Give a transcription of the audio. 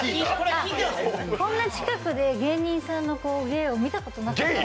こんな近くで芸人さんの芸を見たことなかったので。